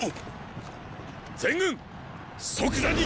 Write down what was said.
全軍即座に。